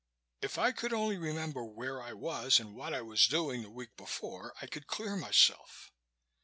If I could only remember where I was and what I was doing the week before I could clear myself."